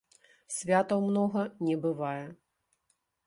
Святаў многа не бывае!